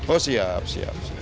oh siap siap